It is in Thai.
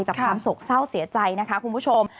ความสกเศร้าเสียใจนะคะคุณผู้ชม